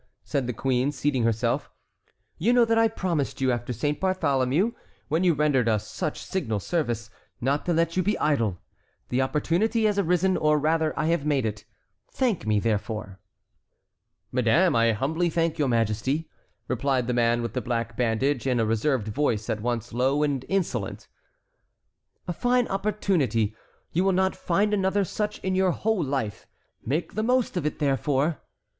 said the queen seating herself; "you know that I promised you after Saint Bartholomew, when you rendered us such signal service, not to let you be idle. The opportunity has arisen, or rather I have made it. Thank me, therefore." "Madame, I humbly thank your majesty," replied the man with the black bandage, in a reserved voice at once low and insolent. "A fine opportunity; you will not find another such in your whole life. Make the most of it, therefore."